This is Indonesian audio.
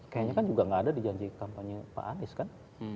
kayaknya kan juga nggak ada di janji kampanye pak anies kan